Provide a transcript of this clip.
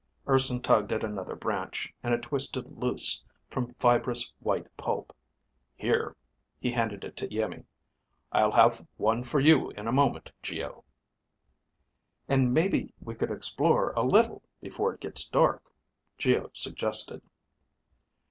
Urson tugged at another branch, and it twisted loose from fibrous white pulp. "Here," he handed it to Iimmi. "I'll have one for you in a moment, Geo." "And maybe we could explore a little, before it gets dark," Geo suggested.